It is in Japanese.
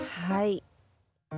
はい。